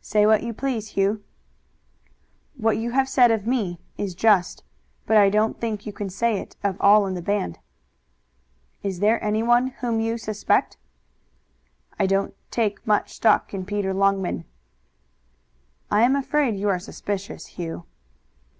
"Say what you please, Hugh." "What you have said of me is just, but I don't think you can say it of all in the band." "Is there anyone whom you suspect?" "I don't take much stock in Peter Longman." "I am afraid you are suspicious, Hugh."